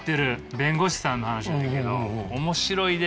弁護士さんの話なんやけど面白いで！